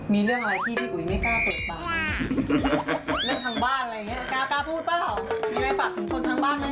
มีเรื่องอะไรที่พี่อุ๋ยไม่กล้าเปิดปากเรื่องทางบ้านอะไรอย่างเงี้ยกล้ากล้าพูดเปล่ามีอะไรฝากถึงคนทางบ้านไหม